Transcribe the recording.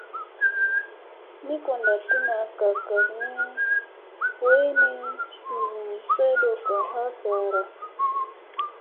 Ni ko ndatta naa, gak gak koyni slum saytokka ha sara.